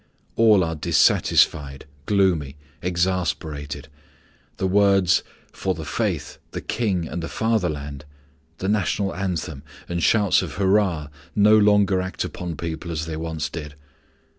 All are dissatisfied, gloomy, exasperated. The words, "For the Faith, the King, and the Fatherland," the National Anthem, and shouts of "Hurrah" no longer act upon people as they once did.